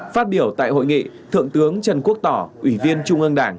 phát biểu tại hội nghị thượng tướng trần quốc tỏ ủy viên trung ương đảng